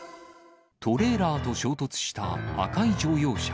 トレーラーと衝突した赤い乗用車。